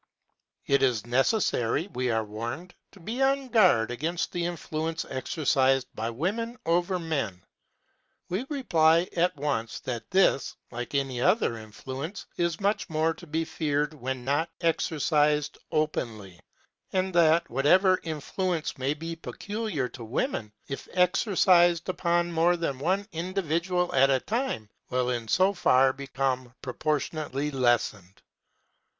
It is necessary, we are warned, to be on guard against the influence exercised by women over men. We reply at once that this, like any other influence, is much more to be feared when not exercised openly; and that, whatever influence may be peculiar to women, if exercised upon more than one individual at a time, will in so far become proportionately lessened.